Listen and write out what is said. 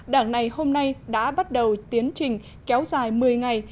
đảng này hôm nay đã bắt đầu tiến trình kéo dài một mươi ngày